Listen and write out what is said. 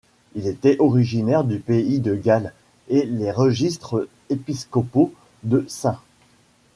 Il était originaire du pays de Galles et les registres épiscopaux de St.